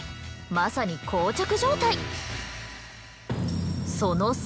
まさに膠着状態。